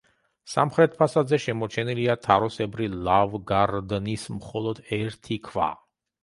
სამხრეთ ფასადზე შემორჩენილია თაროსებრი ლავგარდნის მხოლოდ ერთი ქვა.